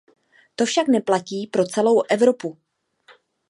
To však neplatí pro celou Evropu.